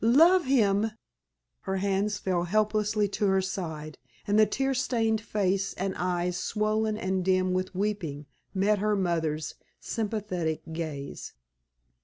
"Love him!" Her hands fell helplessly to her side, and the tear stained face and eyes swollen and dim with weeping met her mother's sympathetic gaze.